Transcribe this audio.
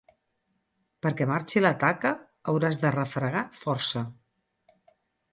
Perquè marxi la taca, hauràs de refregar força.